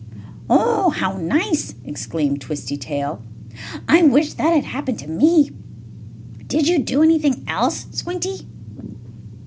"Oh, how nice!" exclaimed Twisty Tail. "I wish that had happened to me. Did you do anything else, Squinty?"